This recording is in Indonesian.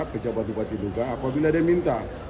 pejabat bupati luka apabila dia minta